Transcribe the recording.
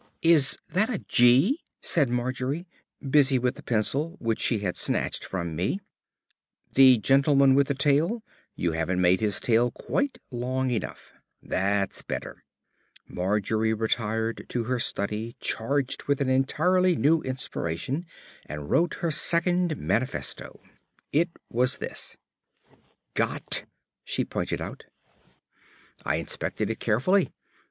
"Is that a 'g'?" said Margery, busy with the pencil, which she had snatched from me. "The gentleman with the tail. You haven't made his tail quite long enough.... That's better." Margery retired to her study charged with an entirely new inspiration, and wrote her second manifesto. It was this: G O T "Got," she pointed out. I inspected it carefully.